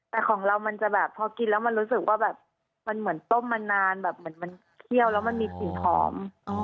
แต่ของเรามันจะแบบพอกินแล้วมันรู้สึกว่าแบบมันเหมือนต้มมานานแบบเหมือนมันเคี่ยวแล้วมันมีกลิ่นหอม